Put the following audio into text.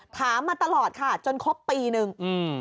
ถามมาตลอดค่ะจนครบปีนึง